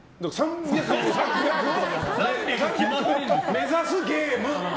目指すゲーム！